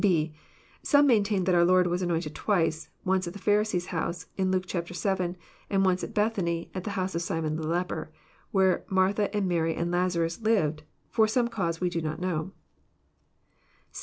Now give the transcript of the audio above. (6) Some maintain that our Lord was anointed twice : once at the Pharisee's house, {\n Luke vii.,) and once at Bethany, at the house of Simon the leper, where Martha and Mary and Lazarus lived, for some cause which we do not know.